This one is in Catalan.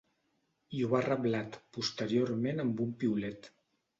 I ho ha reblat posteriorment amb un piulet.